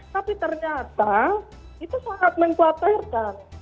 tapi ternyata itu sangat mengkhawatirkan